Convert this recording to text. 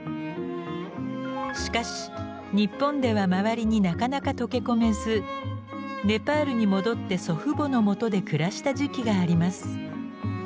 しかし日本では周りになかなか溶け込めずネパールに戻って祖父母のもとで暮らした時期があります。